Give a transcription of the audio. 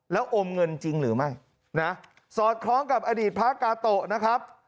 แล้วอมเงินจริงหรือไม่นะสอดคล้องกับอดีตพระกาโตะนะครับ